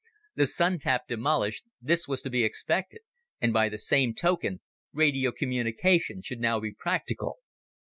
The Sun tap demolished, this was to be expected, and by the same token, radio communication should now be practical.